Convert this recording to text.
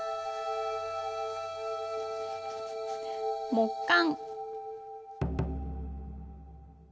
「木簡」。